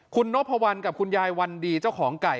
คุณนพวันกับคุณยายวันดีเจ้าของไก่